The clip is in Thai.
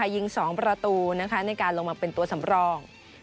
ยิง๒ประตูในการลงมาเป็นตัวสำรอง